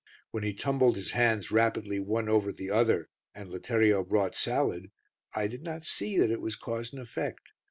When he tumbled his hands rapidly one over the other and Letterio brought salad, I did not see that it was cause and effect.